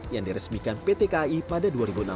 yang diresmikan pt kai pada dua ribu enam belas